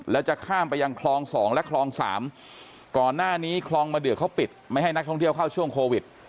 แล้วจะข้ามไปยังคลอง๒และคลองสามก่อนหน้านี้คลองมะเดือเขาปิดไม่ให้นักท่องเที่ยวเข้าช่วงโควิด